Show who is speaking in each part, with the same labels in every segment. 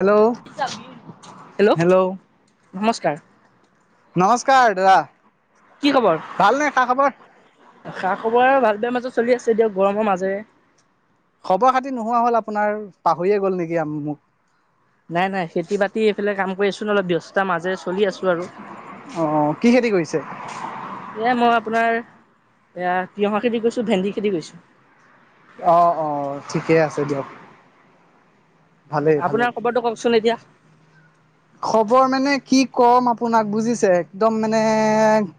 Speaker 1: Hello
Speaker 2: hello নমস্কাৰ
Speaker 1: নমস্কাৰা দাদা।
Speaker 2: কি খবৰ
Speaker 1: ভালনে খা খবৰ
Speaker 2: খা খবৰ আৰু ভাল বোৰ মাজত। চলি আছো দিয়ক গৰমৰ মাজেৰে
Speaker 1: খবৰ খাতি নোহোৱা হ'ল আপোনাৰ পাহৰিয়ে গ'ল নেকি মোক।
Speaker 2: নাই নাই খেতি বাতি এইফালে কাম কৰি আছচোন অলপ ব্যস্তাৰ মাজে চলি আছো। আৰু
Speaker 1: আহ কি খেতি কৰিছে।
Speaker 2: এয়া মই আপোনাৰ এয়া তিয়হা খেতি কৰিছো ভেন্দি খেতি কৰিছো।
Speaker 1: অ', অ', ঠিকেই আছে দিয়ক। ভালেই ভালেই
Speaker 2: আপোনাৰ খবৰটো কওকচোন এতিয়া।
Speaker 1: খবৰ মানে কি ক'ম আপোনাক বুজিছে একদম মানে।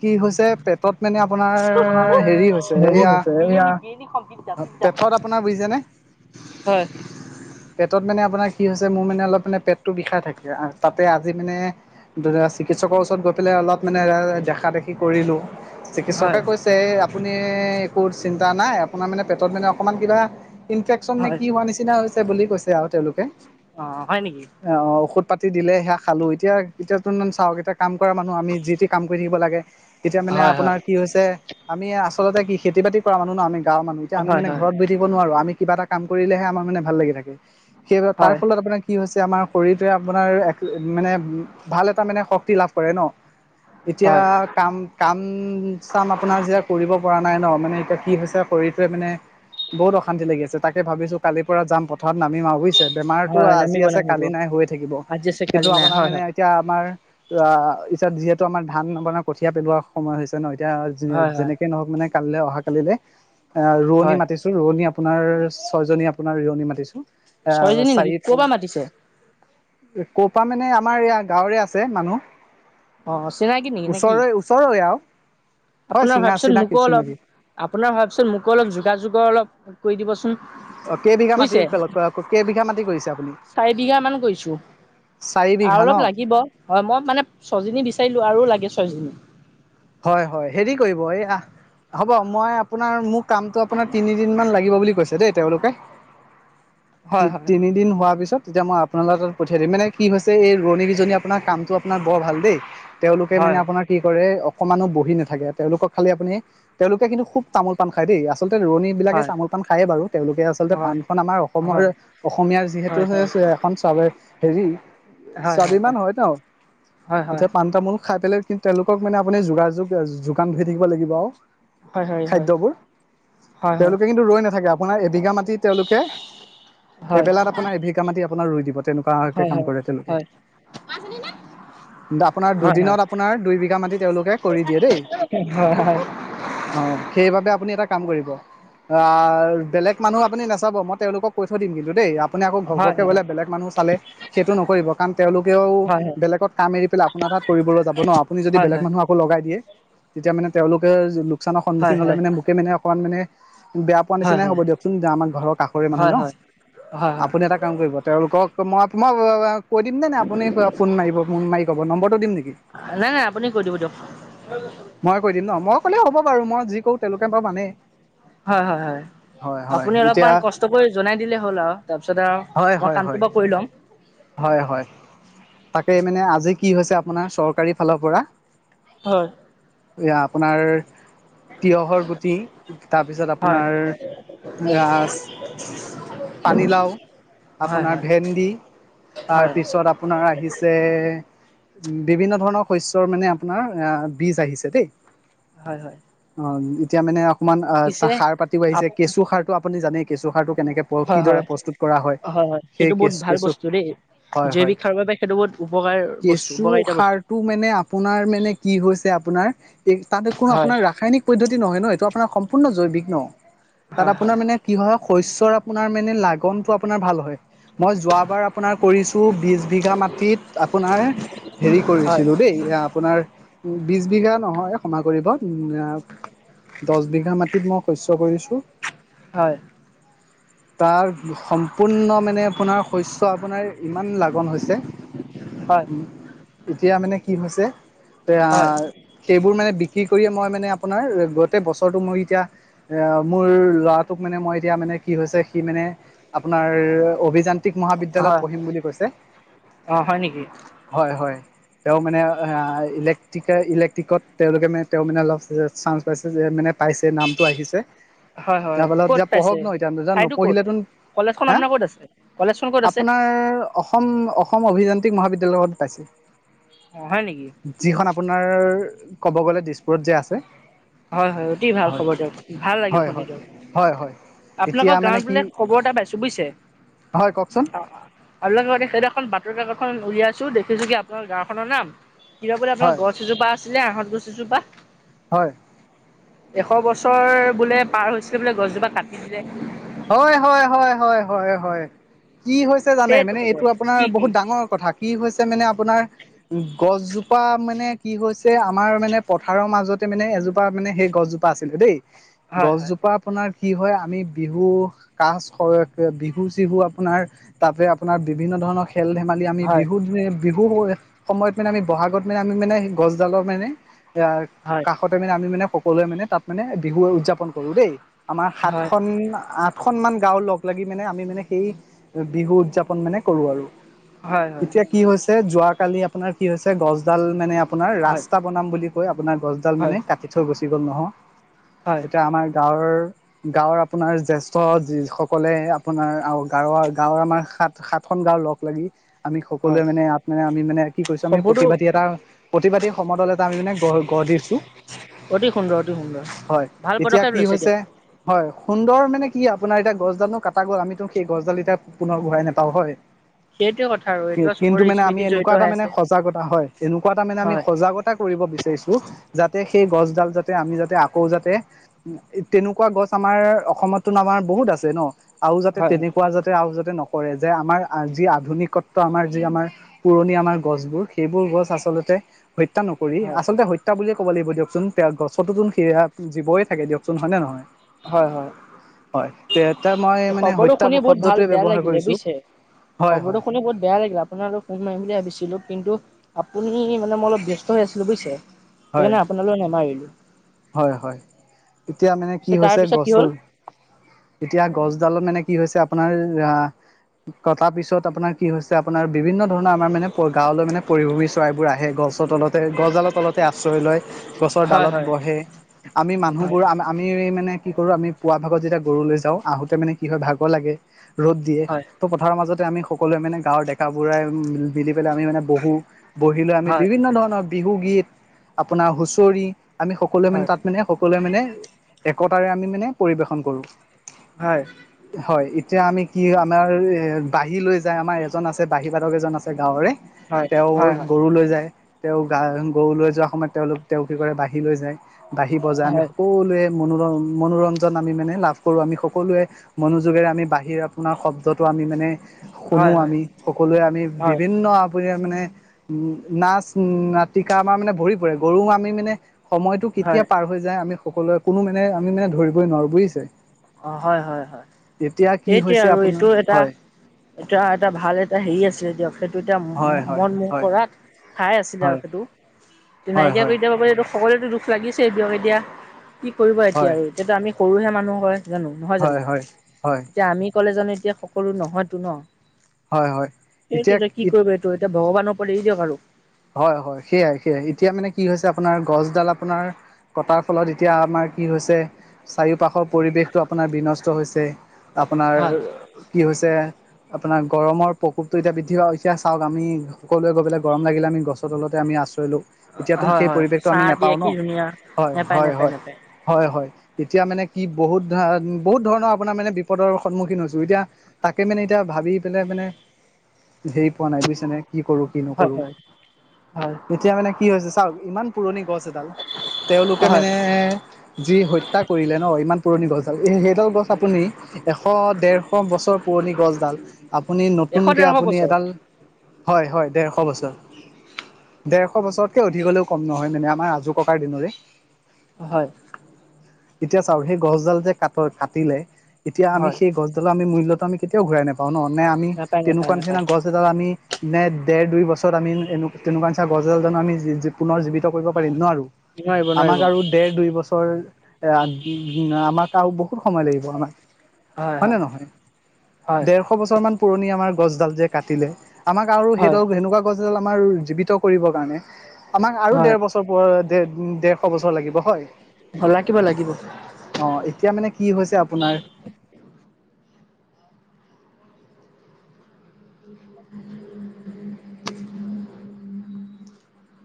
Speaker 1: কি হৈছে পেটত মানে আপোনাৰ হেৰি হৈছে
Speaker 2: হেৰি
Speaker 1: এয়া
Speaker 2: হৈছে এইয়া
Speaker 1: পেটত। আপোনাৰ বুজিছেনে
Speaker 2: হয়
Speaker 1: পেটত মানে আপোনাৰ কি হৈছে মোৰ মানে অলপ মানে পেটটো বিষাই থাকে তাতে আজি মানে। চিকিৎসকৰ ওচৰত গৈ পেলাই অলপ মানে দেখা দেখি কৰিলোঁ।
Speaker 2: হয়
Speaker 1: চিকিৎসকে কৈছে আপুনি একো চিন্তা নাই্ আপোনাৰ মানে পেটত মানে অকমান কিবা ইনফেকচন নে
Speaker 2: হয়
Speaker 1: কি হোৱা বুলি কৈছে তেওঁলোকে।
Speaker 2: অ হয় নেকি
Speaker 1: পাতি দিলে সেয়া খালো এতিয়া এতিয়াতমান চাওক এটা। কাম কৰা মানুহ আমি যিটি কাম কৰি থাকিব লাগে, তেতিয়া মানে
Speaker 2: হয় হয়
Speaker 1: আপোনাৰ কি হৈছে আমি আচলতে কি খেতি বাতি কৰা মানুহ ন আমি গাঁৱৰ মানহ এতিয়া আমি
Speaker 2: হয়
Speaker 1: মানে
Speaker 2: হয়
Speaker 1: ঘৰত বহি থাকিব নোৱাৰো আমি কিবা এটা কাম কৰিলেহে আমাৰ মানে ভাল লাগি থাকে। সেই তাৰ
Speaker 2: হয় হয়
Speaker 1: ফলত আপোনাৰ কি হৈছে আমাৰ শৰীৰটোৱে। আপোনাৰ মানে ভাল এটা মানে শক্তি লাভ কৰে ন। এতিয়া
Speaker 2: হয়
Speaker 1: কাম কাম চাম আপোনাৰ যেতিয়া কৰিব পৰা নাই ন মানে এতিয়া কি হৈছে শৰীৰটোৱে মানে বহুত অশান্তি লাগি আছে। তাকে ভাবিছো কালিৰ পৰা যাম পথাৰত নামিম আৰু বুজিছে। বেমাৰতো
Speaker 2: হয়
Speaker 1: আজি
Speaker 2: নামিব
Speaker 1: আছে
Speaker 2: নামিব
Speaker 1: কালি নাই হৈ থাকে।
Speaker 2: আজি আছে
Speaker 1: সেই টো
Speaker 2: কালি নাই
Speaker 1: আপোনাৰ
Speaker 2: হয়
Speaker 1: মানে
Speaker 2: হয়
Speaker 1: আমাৰ [unintelligible] টো আমাৰ ধান আপানাৰ কঠিয়া পেলোৱা সময় হৈছে ন এতিয়া
Speaker 2: হয় হয়
Speaker 1: যেনেকে নহওঁক মানে। কালিলৈ অহা কালিলে এ ৰোৱনী
Speaker 2: হয়
Speaker 1: মাতিছো ৰোৱনী আপোনাৰ ছয়জনী আপোনাৰ ৱনী মাতিছো আহ, হব
Speaker 2: ছয়জনী নেকি
Speaker 1: চাৰি
Speaker 2: ক'ৰ পৰা
Speaker 1: পাঁচ
Speaker 2: মাতিছে
Speaker 1: এ ক'পা মানে আমাৰ এয়া গাঁৱৰে আছে
Speaker 2: অ চিনাকি নেকি
Speaker 1: মানুহ।
Speaker 2: নেকি
Speaker 1: ওচৰৰে ওচৰৰে আৰু। হয়
Speaker 2: আপোনাৰ হোৱা
Speaker 1: চিঙা
Speaker 2: পাছত
Speaker 1: চিনাকি
Speaker 2: মোকো
Speaker 1: চিনাকি
Speaker 2: অলপ- আপোনাৰ হোৱা পাছত মোকো অলপ যোগাযোগৰ অলপ কৰি দিবচোন।
Speaker 1: অ', কেইবিঘা মাটি
Speaker 2: বুজিছে
Speaker 1: [unintelligible] কেইবিঘা মাটি কৰিছে আপুনি?
Speaker 2: চাৰি বিঘা মান কৰিছো
Speaker 1: চাৰি বিঘা
Speaker 2: আৰু
Speaker 1: ন
Speaker 2: অলপ লাগিব হয় মই মানে ছয়জনী বিচাৰিলো আৰু লাগে ছয়জনী।
Speaker 1: হয়, হয়, হেৰি কৰিব এই হ'ব মই আপোনাৰ মোক কামটো আপোনাৰ তিনিদিন মান লাগিব বুলি কৈছে দেই তেওঁলোকে।
Speaker 2: হয় হয়
Speaker 1: তি-তিনিদিন হোৱাৰ পিছত তেতিয়া মই আপোনালোক তাত পঠিয়াই দিম, মানে কি হৈছে এই ৰোৱনী কেইজনী আপোনাৰ কামটো আপোনাৰ বৰ ভাল দেই তেওঁলোকে মানে
Speaker 2: হয়
Speaker 1: আপোনাৰ কি কৰে অকমানো বহি নাথাকে তেওঁলোকক খালি আপুনি তেওঁলোকে কিন্তু খুব তামোল পাণ খায় দেই, আ আচলতে ৰণীবিলাকে তামোল পাণ খায়েই বাৰু তেওঁলোকে আচলতে
Speaker 2: হয়
Speaker 1: পাণখন আমাৰ অসমৰ
Speaker 2: হয়
Speaker 1: অসমীয়াৰ যিহেতু
Speaker 2: হয় হয় হয়
Speaker 1: তে এখন চাৰে হেৰি
Speaker 2: হয়
Speaker 1: স্বাভিমান হয় আৰু।
Speaker 2: হয় হয় হয়
Speaker 1: এতিয়া পাণ তামোল খাই পেলাই কিন্তু তেওঁলোকক মানে আপুনি যোগাযোগ যোগান ধৰি থাকিব লাগিব আৰু।
Speaker 2: হয় হয় হয় হয় হয় হয় হয় হয় হয় হয় হয় হয় হয় হয় হয় হয় হয় হয় হয়
Speaker 1: খাদ্যবোৰ তেওঁলোকে কিন্তু ৰৈ নাথাকে আপোনাৰ এবিঘা মাত তি তেওঁলোকে এবেলাত আপোনাৰ এ বিঘা মাটি আপোনাৰ ৰুই দিব তেনেকুৱাকে কাম কৰে তেওঁলোকে। আপোনাৰ দুদিনত আপোনাৰ দুই বিঘা মাটি তেওঁলোকে কৰি দিয়ে দেই। অ', সেইবাবে আপুনি এটা কাম কৰিব অহ। বেলেগ মানুহ আপুনি নাচাব মই তেওঁলোকক কৈ থৈ দিম কিন্তু দেই আপুনি ঘৰ -ঘৰকে বোলে বেলেগ মানুহ চালে সেইটো ন কৰিব কাৰণ তেওঁলোকেও বেলেগত কাম এৰি পেলাই আপোনাৰ তাত কৰিবলৈ যাব ন' আপুনি যদি
Speaker 2: হয়
Speaker 1: বেলেগ মানুহ আকৌ লগাই দিয়ে তেতিয়া মানে তেওঁলোকে লোকচানৰ
Speaker 2: হয়
Speaker 1: সন্মুখীন হ'লে মানে মোকে মানে অকণমান মানে বেয়া পোৱা
Speaker 2: হয়
Speaker 1: নিচিনাই
Speaker 2: হয়
Speaker 1: হ'ব দিয়কচোন যাৰ আমাৰ ঘৰ কাষৰে মানুহ
Speaker 2: হয়
Speaker 1: ন'।
Speaker 2: হয় হয় হয়
Speaker 1: আপুনি এটা কাম কৰিব তেওঁলোকক মই -মই [unintelligible] কৈ দিম নে নাই আপুনি ফোন মাৰিব ফোন মাৰি কব? অ, নম্বৰটো দিম নেকি?
Speaker 2: নাই-নাই আপুনি কৈ দিব দিয়ক
Speaker 1: মই কৈ দিম ন' মই ক'লে হ'ব বাৰু মই যি কৰোঁ তেওঁলোকে বাৰু মানেই।
Speaker 2: হয়, হয়, হয়।
Speaker 1: হয় হয়
Speaker 2: আপুনি
Speaker 1: এতিয়া
Speaker 2: অলপমান কষ্ট কৰি জনাই দিলে হ'ল আৰু তাৰপিছতে
Speaker 1: হয়
Speaker 2: আৰু মই
Speaker 1: হয় হয়
Speaker 2: কামটো বাৰু কৰি লম।
Speaker 1: হয়, হয়, তাকে মানে আজি কি হৈছে আপোনাৰ চৰকাৰী ফালৰ পৰা।
Speaker 2: হয়।
Speaker 1: এয়া আপোনাৰ তিয়হৰ গুটি তাৰপিছত
Speaker 2: হয়
Speaker 1: আপোনাৰ [unintelligible] পানীলাও
Speaker 2: হয়
Speaker 1: আপোনাৰ
Speaker 2: হয়
Speaker 1: ভেন্দি তাৰ
Speaker 2: হয়
Speaker 1: পিছত আপোনাৰ আহিছে উম, বিভিন্ন ধৰ [unintelligible] শস্যৰ মানে আপোনাৰ আ বীজ আহিছে দেই
Speaker 2: হয় হয়
Speaker 1: অ, এতিয়া মানে অমান আ
Speaker 2: পিছে
Speaker 1: সাৰ পাতিও আহিছে
Speaker 2: আপ
Speaker 1: কেঁচু সাৰটো আপুনি জানেই কেঁচু সাৰটো কেনেকে প্ৰ
Speaker 2: হয় হয়
Speaker 1: কিদৰে প্ৰস্তুত কৰা হয়।
Speaker 2: সেইটো বহুত ভাল বস্তু দেই।
Speaker 1: হয়-হয়
Speaker 2: জৈৱিক সাৰৰ বাবে সেইটো বহুত উপকাৰ বস্তু
Speaker 1: কেঁচু
Speaker 2: উপকাৰিতা বস্তু
Speaker 1: সাৰটো মানে আপোনাৰ মানে কি হৈছে আপোনাৰ এই তাত কোনো
Speaker 2: হয়
Speaker 1: আপোনাৰ ৰাসায়নিক পদ্ধতি নহয় ন' এইটো আপোনাৰ সম্পূৰ্ণ জৈৱিক ন'। তাত
Speaker 2: হয়
Speaker 1: আপোনাৰ
Speaker 2: হয়
Speaker 1: মানে কি হয় শস্যৰ আপোনাৰ মানে লাগনটো আপোনাৰ ভাল হয়। মই যোৱাবাৰ আপোনাৰ কৰিছোঁ বিছ বিঘা মাটিত আপোনাৰ হেৰি
Speaker 2: হয়
Speaker 1: কৰিছিলো দেই আপোনাৰ বিছ বিঘা নহয় ক্ষমা কৰিব দছ বিঘা মাটিত মই শস্য কৰিছো।
Speaker 2: হয়।
Speaker 1: তাৰ সম্পূৰ্ণ মানে আপোনাৰ শস্য আপোনাৰ ইমান লাগন হৈছে
Speaker 2: হয়
Speaker 1: উম এতিয়া মানে কি হৈছে এয়া
Speaker 2: হয়
Speaker 1: সেইবোৰ মানে বিক্ৰী কৰিয়ে মই মানে আপোনাৰ গোটেই বছৰটো মই এতিয়া এয়া মোৰ ল'ৰাটোক মানে মই এতিয়া মানে কি হৈছে সি মানে আপোনাৰ অভিযান [unintelligible] মহাবিদ্যালয়ত
Speaker 2: হয়
Speaker 1: পঢ়িম বুলি কৈছে,
Speaker 2: অ হয় নেকি
Speaker 1: হয়, হয়, তেওঁ মানে ইলেক্ট্ৰিকে ইলেক্ট্ৰিকত তেওঁলোকে মানে তেওঁ মানে অলপ চান্স পাইছে যে মানে পাইছে নামটো আহিছে
Speaker 2: হয় হয় ক'ত
Speaker 1: [unintelligible]
Speaker 2: পাইছে
Speaker 1: পঢ়ক ন' [unintelligible]
Speaker 2: ঠাইতো ক'ত
Speaker 1: নপঢ়িলেতো,
Speaker 2: কলেজখন
Speaker 1: হা?
Speaker 2: আপোনাৰ ক'ত আছে কলেজখন ক'ত আছে
Speaker 1: আপোনাৰ অসম-অসম অভিযান্ত্ৰিক মহাবিদ্যালয়ত পাইছে।
Speaker 2: অ', হয় নেকি?
Speaker 1: যিখন আপোনাৰ, ক'ব গ'লে দিছপুৰত যে আছে।
Speaker 2: হয়, হয়, অতি ভাল
Speaker 1: হয়
Speaker 2: খবৰ দিয়ক, ভাল লাগিল
Speaker 1: হয়
Speaker 2: শুনি
Speaker 1: হয়
Speaker 2: দিয়ক।
Speaker 1: হয় হয় এতিয়া
Speaker 2: আপোনালোকৰ
Speaker 1: মানে
Speaker 2: গাঁৱত
Speaker 1: কি
Speaker 2: বোলে খবৰ এটা পাইছো বুজিছে
Speaker 1: হয় কওকচোন
Speaker 2: আৰু লগতে সেই এখন বাতৰি কাকতখন উলিয়াইছো দেখিছো কি আপোনাৰ গাঁওখনৰ নাম কিবা বোলে আপোনাৰ
Speaker 1: হয়
Speaker 2: গছ এজোপা আছিলে আঁহত গছ এজোপা
Speaker 1: হয়
Speaker 2: এশ বছৰ বোলে পাৰ হৈছিলে বোলে গছজোপা কাটি দিলে
Speaker 1: হয়-হয়-হয়-হয়-হয়-হয় কি হৈছে জানে
Speaker 2: সেইটো
Speaker 1: মানে
Speaker 2: খবৰ
Speaker 1: এইটো আপোনাৰ
Speaker 2: কি কি
Speaker 1: বহুত ডাঙৰ কথা কি হৈছে মানে আপোনাৰ গছজোপা মানে কি হৈছে যে আমাৰ মানে পথাৰৰ মাজতে মানে এজোপা মানে সেই গছজোপা আছিলে দেই।
Speaker 2: হয় হয়
Speaker 1: গছজোপা আপোনাৰ কি হয় আমি বিহু কাজ বিহু চিহু আপোনাৰ তাতে আপোনাৰ বিভিন্ন ধৰণৰ খেল- ধেমালি আমি
Speaker 2: হয়
Speaker 1: বিহু দি বিহু সময়ত মানে আমি বহাগত মানে আমি মানে গছডালৰ মানে এ
Speaker 2: হয়
Speaker 1: কাষতে মানে আমি মানে [unintelligible] মানে তাত মানে বিহু উদযাপন কৰো দেই, আমাৰ
Speaker 2: হয়
Speaker 1: সাতখন আঠ কেইখনমান গাওঁ লগ লাগি মানে আমি মানে সেই বিহু উদযাপন মানে কৰো আৰু
Speaker 2: হয় হয়
Speaker 1: এতিয়া কি হৈছে যোৱা কালি আপোনাৰ কি হৈছে গছডাল মানে আপোনাৰ
Speaker 2: হয়
Speaker 1: ৰাস্তা বনাম বুলি কৈ আপোনাৰ গছডাল মানে
Speaker 2: হয়
Speaker 1: কাটি থৈ গুচি গ'ল নহয়।
Speaker 2: হয়
Speaker 1: এতিয়া আমাৰ গাঁৱৰ গাঁৱৰ আপোনাৰ জ্যেষ্ঠ যি সকলে আপোনাৰ আৰু গাঁৱৰ-গাঁৱৰ আমাৰ সাত-সাত গাঁৱ লগ লাগি আমি
Speaker 2: হয়
Speaker 1: সকলোৱে মানে ইয়াত মানে আমি মানে কি কৰিৈছো আমি
Speaker 2: খবৰটো
Speaker 1: প্ৰতিবাদী এটা, প্ৰতিবাদী সমদল এটা আমি মানে [unintelligible] সুধিছোঁ।
Speaker 2: অতি সুন্দৰ অতি সুন্দৰ ভাল
Speaker 1: এতিয়া
Speaker 2: পদক্ষেপ
Speaker 1: কি
Speaker 2: লৈছে
Speaker 1: হৈছে
Speaker 2: দিয়ক।
Speaker 1: হয় সুন্দৰ মানে কি আপোনাৰ এতিয়া গছডালো কাটা গ'ল আমিতো সেই গছডাল এতিয়া পুনৰ ঘূৰাই নেপাওঁ হয়।
Speaker 2: সেইটোৱে কথা আৰু
Speaker 1: কি
Speaker 2: এইটো
Speaker 1: কিন্তু
Speaker 2: চবৰে
Speaker 1: মানে আমি
Speaker 2: স্মৃতি জড়িত
Speaker 1: এনেকুৱা এটা
Speaker 2: হৈ
Speaker 1: মানে
Speaker 2: আছে
Speaker 1: সজাগতা হয় এনেকুৱা এটা মানে আমি
Speaker 2: হয়
Speaker 1: সজাগতা কৰিব বিচাৰিছোঁ যাতে সেই গছডাল যাতে তে আমি যাতে আকৌ যাতে তেনেকুৱা গছ আমাৰ অসমতো আমাৰ বহুত আছে ন' আৰু যাতে
Speaker 2: হয়
Speaker 1: তেনেকুৱা যাতে আৰু যাতে ন কৰে যে আমাৰ যি আধুনিকত্ব আমাৰ যি আমাৰ, পুৰণি আমাৰ গছবোৰ সেইবোৰ গছ আচলতে হত্যা নকৰি
Speaker 2: হয়
Speaker 1: আচলতে হত্যা বুলি ক'ব লাগিব দিয়কচোন গছটোন সেয়া জীৱই থাকে দিয়কচোন হয় নে নহয়
Speaker 2: হয় হয়
Speaker 1: হয় তে মই মানে
Speaker 2: খবৰটো
Speaker 1: হত্যা
Speaker 2: শুনি বহুত ভাল
Speaker 1: শব্দটোৱে
Speaker 2: বেয়া
Speaker 1: ব্যৱহাৰ
Speaker 2: লাগিলে
Speaker 1: কৰিছো
Speaker 2: বুজিছে
Speaker 1: হয়
Speaker 2: খবৰটো
Speaker 1: হয়
Speaker 2: শুনি বহুত বেয়া লাগিলে আপোনাৰ আৰু ফোন মাৰিম বুলি ভাবিছিলো কিন্তু আপুনি মানে মই অলপ ব্যস্ত হৈ আছিলো বুজিছে,
Speaker 1: হয়
Speaker 2: সেইকাৰণে আপোনালৈ নামাৰিলোঁ।
Speaker 1: হয়, হয়, এতিয়া মানে কি
Speaker 2: পিছে তাৰ
Speaker 1: হৈছে
Speaker 2: পিছত কি হ'ল
Speaker 1: গছৰ এতিয়া গছডালত মানে কি হৈছে আপোনাৰ আহ কটাৰ পিছত আপোনাৰ কি হৈছে আপোনাৰ বিভিন্ন ধৰণৰ আমাৰ মানে [unintelligible] গাঁৱলৈ মানে পৰিভূমি চৰাইবোৰ আহে গছৰ তলতে গছডালৰ তলত আশ্ৰয় লয় গছৰ
Speaker 2: হয়
Speaker 1: ডালত
Speaker 2: হয়
Speaker 1: বহে আমি
Speaker 2: হয়
Speaker 1: মানুহবোৰ আমি মানে কি কৰোঁ আমি পুৱা ভাগত যেতিয়া গৰুলৈ যাওঁ আহোতে মানে কি হয় ভাগৰ লাগে ৰ'দ দিয়ে
Speaker 2: হয়
Speaker 1: ত' পথাৰৰ মাজতে আমি সকলোৱে মানে গাঁৱৰ ডেকা বুঢ়াই মিলি আমি মানে বহো বহিলৈ আমি
Speaker 2: হয়
Speaker 1: বিভিন্ন ধৰণৰ বিহু গীত আপোনাৰ হুচৰি আমি সকলোৱে মানে
Speaker 2: হয়
Speaker 1: তাত মানে সকলোৱে মানে একতাৰে আমি মানে পৰিবেশন কৰো।
Speaker 2: হয়।
Speaker 1: হয় এতিয়া আমি কি আমাৰ এ বাঁহী লৈ যায় আমাৰ এজন আছে বাহীবাদক এইজন আছে গাঁৱৰে
Speaker 2: হয়
Speaker 1: তেওঁ
Speaker 2: হয়
Speaker 1: গৰু লৈ যায়। তেওঁ গা গৰু লৈ যোৱাৰ সময়ত তেওঁলোক তেওঁ কি কৰে বাঁহী লৈ যায় বাঁহী বজাই আমি
Speaker 2: হয়
Speaker 1: সকলোৱে মনোৰন মনোৰঞ্জন আমি মানে লাভ কৰো আমি সকলোৱে মনোযোগেৰে আমি বাহীৰ আপোনাৰ শব্দটো আমি মানে শুনো শুনো
Speaker 2: হয় হয়
Speaker 1: আমি সকলোৱে আমি
Speaker 2: হয়
Speaker 1: বিভিন্ন আপুনি মানে উম নাচ নাটিকা আমাৰ মানে ভৰি পৰে গৰু আমি মানে সময়টো কেতিয়া
Speaker 2: হয়
Speaker 1: পাৰ হৈ যায় আমি সকলোৱে কোনো মানে আমি মানে ধৰিবই নোৱাৰো বুজিছে।
Speaker 2: অ' হয় হয় হয়।
Speaker 1: এতিয়া কি
Speaker 2: সেইটে
Speaker 1: হৈছে
Speaker 2: আৰু
Speaker 1: আপোনাৰ
Speaker 2: এইটো এটা
Speaker 1: হয়
Speaker 2: - এটা - এটা ভাল এটা হেৰি আছিলে দিয়ক। টো এতিয়া
Speaker 1: হয় হয়
Speaker 2: মন মোৰ
Speaker 1: হয়
Speaker 2: কৰা ঠাই আছিলে আৰু
Speaker 1: হয়
Speaker 2: সেইটো
Speaker 1: হয়
Speaker 2: নাইকিয়া
Speaker 1: হয়
Speaker 2: কৰি এতিয়া পাবটো সকলোৱতো দুখ লাগিছে দক এতিয়া কি কৰিব এতিয়া
Speaker 1: হয়
Speaker 2: আৰু এতিয়াতো আমি সৰুহে মানুহ হয় জানো নহয় জানো
Speaker 1: হয় হয় হয়
Speaker 2: এতিয়া আমি ক'লে জানো এতিয়া সকলো নহয়তো ন।
Speaker 1: হয় হয়
Speaker 2: সেইটো
Speaker 1: এতিয়া
Speaker 2: যে কি কৰিব এইটো এতিয়া ভগৱানৰ ওপৰত এৰি দিয়ক আৰু।
Speaker 1: হয়, হয় সেয়াই সেয়াই এতিয়া মানে কি হৈছে আপোনাৰ গছডাল আপোনাৰ কটাৰ ফলত এতিয়া আমাৰ কি হৈছে চাৰিওপাশৰ পৰিৱেশতটো আপোনাৰ বিনষ্ট হৈছে আপোনাৰ
Speaker 2: হয়
Speaker 1: কি হৈছে। আপোনাৰ গৰমৰ প্ৰকোপটো এতিয়া বৃদ্ধি হোৱা এতিয়া চাওক আমি সকলোৱে গৈ পেলে গৰম লাগিলে আমি গছৰ তলতে আমি আশ্ৰয় লওঁ। এতিয়াতোন
Speaker 2: হয়
Speaker 1: সেই
Speaker 2: হয়
Speaker 1: পৰিৱেশটো আমি
Speaker 2: চাহ
Speaker 1: নাপাও
Speaker 2: দিয়ে
Speaker 1: ন
Speaker 2: কি ধুনীয়া
Speaker 1: হয়,
Speaker 2: নেপায়
Speaker 1: হয়
Speaker 2: নেপায়
Speaker 1: হয়,
Speaker 2: নেপায়
Speaker 1: হয় হয়। এতিয়া মানে কি বহুত ধ বহুত ধৰণৰ আপোনাৰ মানে বিপদৰ সন্মুখীন হৈছো এতিয়া তাকে মানে এতিয়া ভাবি পেলাই মানে হেৰি পোৱা নাই বুজিছে নে কি কৰো কি
Speaker 2: হয়
Speaker 1: নকৰো
Speaker 2: হয়। হয়
Speaker 1: এতিয়া মানে কি হৈছে চাওক ইমান পুৰণি গছ এডাল তেওঁলোকে
Speaker 2: হয়
Speaker 1: মানে যি হত্যা কৰিলে ন ইমান পুৰণি গছডাল এ সেইডাল গছ আপুনি এশ ডেৰশ বছৰ পুৰণি গছডাল আপুনি
Speaker 2: এশ
Speaker 1: নতুনকে
Speaker 2: ডেৰশ
Speaker 1: আপুনি
Speaker 2: বছৰ
Speaker 1: এডাল হয়- হয় ডেৰশ বছৰ। ডেৰশ বছৰতকে অধিক হলেও কম নহয় মানে আমাৰ আজো ককাৰ দিনৰে।
Speaker 2: হয়।
Speaker 1: এতিয়া চাও সেই গছডাল যে ক কাটিলে এতিয়া আমি
Speaker 2: হয়
Speaker 1: সেই গছডালো আমি মূল্যত আমি কেতিয়াও ঘূৰাই নাপাও নে আমি
Speaker 2: নাপায় নাপায়
Speaker 1: তেনেকুৱা নিচিনা
Speaker 2: নাপায়।
Speaker 1: গছ এডাল আমি নে ডেৰ দুই বছৰত আমি এনে তেনেকুৱা নিচিনা গছনি জানো আমি পুনৰ জীৱিত কৰিব পাৰিম নোৱাৰো
Speaker 2: নোৱাৰিব
Speaker 1: আমাক
Speaker 2: নোৱাৰিব
Speaker 1: আৰু দেৰ দুই বছৰ এ আমাৰও বহুত সময় লাগিব আমাক,
Speaker 2: হয়
Speaker 1: হয়নে
Speaker 2: হয়
Speaker 1: নহয়
Speaker 2: হয়
Speaker 1: ডেৰশ বছৰ মান পুৰণি আমাৰ গছডাল যে কাটিলে আমাক আৰু সেই
Speaker 2: হয়
Speaker 1: সেনেকুৱা গছডাল আমাৰ জিবি ত কৰিব কাৰণে আমাক আৰু দেৰ
Speaker 2: হয়
Speaker 1: বছৰ প দেৰশ বছৰ লাগিব হয়।
Speaker 2: অ লাগিব।
Speaker 1: অ এতিয়া মানে কি হৈছে আপোনাৰ
Speaker 2: [unintelligible]